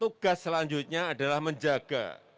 tugas selanjutnya adalah menjaga